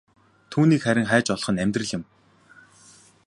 Түүнийг харин хайж олох нь амьдрал юм.